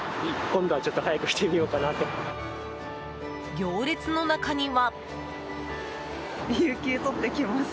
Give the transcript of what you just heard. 行列の中には。